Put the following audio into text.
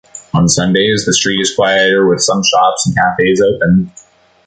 On Sundays the street is quieter, with some shops and cafes open.